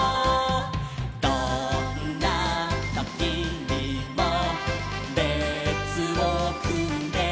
「どんなときにもれつをくんで」